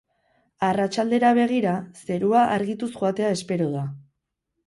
Arratsaldera begira, zerua argituz joatea espero da.